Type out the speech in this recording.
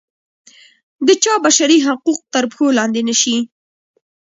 د چا بشري حقوق تر پښو لاندې نه شي.